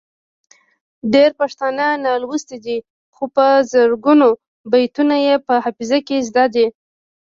ډیری پښتانه نالوستي دي خو په زرګونو بیتونه یې په حافظه کې زده دي.